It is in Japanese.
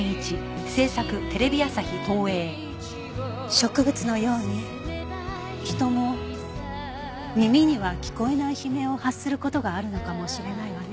植物のように人も耳には聞こえない悲鳴を発する事があるのかもしれないわね。